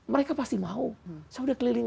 mereka pasti mau saya udah keliling